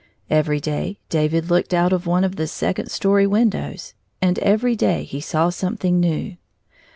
Every day David looked out of one of the second story windows, and every day he saw something new.